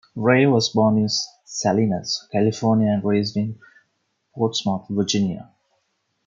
Wray was born in Salinas, California and raised in Portsmouth, Virginia.